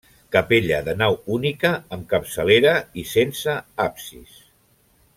Capella de nau única amb capçalera i sense absis.